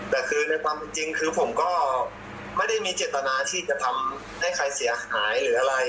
แต่คือในความจริงคือผมก็ไม่ได้มีเจตนาที่จะทำให้ใครเสียหายหรืออะไร